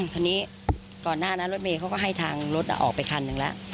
คราวนี้ก่อนหน้านั้นรถเมย์เขาก็ให้ทางรถออกไปคันหนึ่งแล้ว